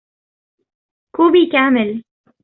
كوبي كامل.